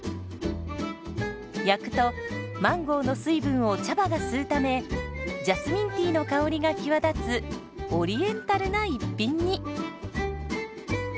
焼くとマンゴーの水分を茶葉が吸うためジャスミンティーの香りが際立つオリエンタルな一品に。